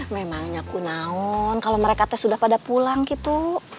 memang nyaku naon kalau mereka tes udah pada pulang gitu